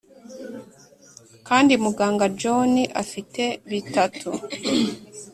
kandi muganga john afite bitatu